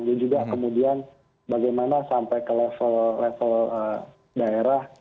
dan juga kemudian bagaimana sampai ke level level daerah